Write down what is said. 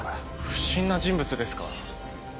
不審な人物ですか？